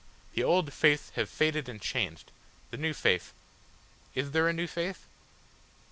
The old faiths have faded and changed, the new faith . Is there a new faith?